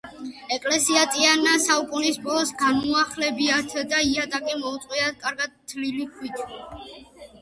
ეკლესია წინა საუკუნის ბოლოს განუახლებიათ და იატაკი მოუწყვიათ კარგად თლილი ქვით.